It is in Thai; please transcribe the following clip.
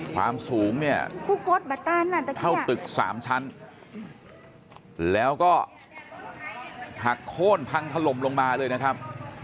ความสูงเนี่ยเข้าตึก๓ชั้นแล้วก็หักโค้นพังถล่มลงมาเลยนะครับ